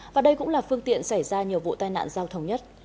và đây cũng là phương tiện xảy ra nhiều vụ tai nạn giao thông nhất